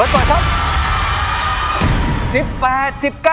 เผิดก่อนครับ